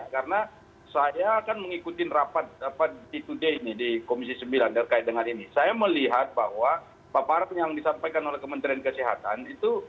jadi saya akan mengikuti rapat di today ini di komisi sembilan saya melihat bahwa paparan yang disampaikan oleh kementerian kesehatan itu